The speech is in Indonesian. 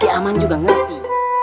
bahasa keaman juga ngerti